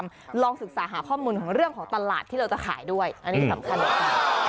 เราจะลองศึกษาหาข้อมูลเรื่องของตลาดที่เราจะขายด้วยอันนี้สำคัญ